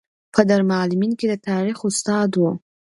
په دارالمعلمین کې د تاریخ استاد و.